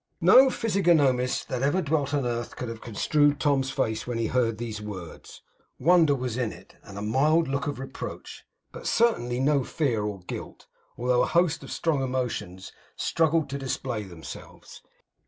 No physiognomist that ever dwelt on earth could have construed Tom's face when he heard these words. Wonder was in it, and a mild look of reproach, but certainly no fear or guilt, although a host of strong emotions struggled to display themselves.